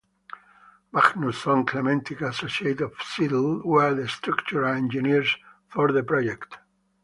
Magnusson Klemencic Associates of Seattle were the structural engineers for the project.